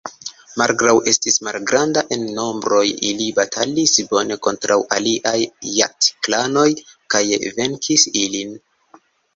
Malgraŭ esti malgranda en nombroj, ili batalis bone kontraŭ aliaj Jat-klanoj kaj venkis ilin.